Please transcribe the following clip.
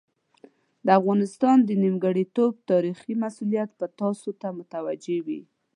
د افغانستان د نیمګړتوب تاریخي مسوولیت به تاسو ته متوجه وي.